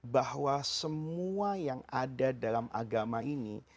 bahwa semua yang ada dalam agama ini